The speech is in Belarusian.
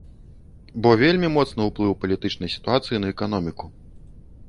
Бо вельмі моцны ўплыў палітычнай сітуацыі на эканоміку.